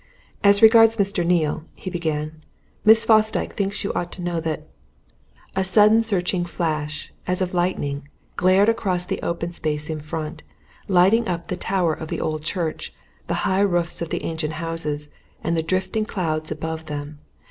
"As regards Mr. Neale," he began, "Miss Fosdyke thinks you ought to know that " A sudden searching flash, as of lightning, glared across the open space in front, lighting up the tower of the old church, the high roofs of the ancient houses, and the drifting clouds above them.